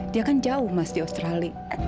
dia kan jauh mas di australia